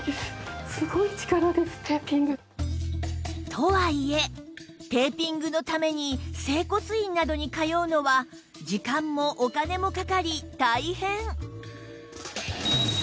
とはいえテーピングのために整骨院などに通うのは時間もお金もかかり大変